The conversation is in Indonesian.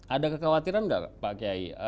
ada kekhawatiran nggak pak kiai